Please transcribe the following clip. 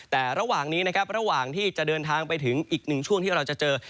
แต่ระหว่างนี้นะครับระหว่างที่จะเดินทางไปถึงอีกหนึ่งช่วงที่เราจะเจอ